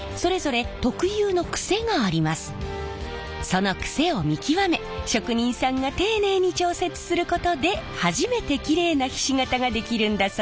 そのクセを見極め職人さんが丁寧に調節することで初めてキレイなひし形が出来るんだそうです。